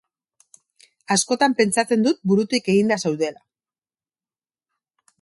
Askotan pentsatzen dut burutik eginda zaudela.